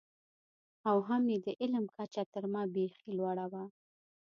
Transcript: او هم یې د علم کچه تر ما بېخي لوړه وه.